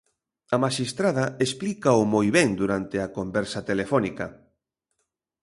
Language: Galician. A maxistrada explícao moi ben durante a conversa telefónica.